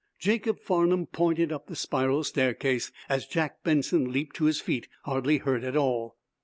Jacob Farnum pointed up the spiral staircase, as Jack Benson leaped to his feet, hardly hurt at all.